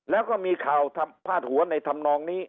แล้วก็มีข่าวพาดหัวในธรรมนองนี้